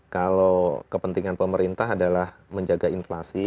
kalau kepentingan pemerintah adalah menjaga inflasi